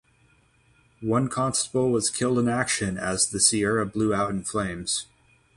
One constable was killed in action as the Sierra blew out in flames.